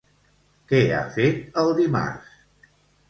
Què ha fet el dimarts?